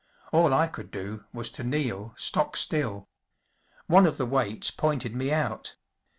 All I could do was to kneel stock still. One of the waits pointed me out.